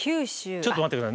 ちょっと待って下さい。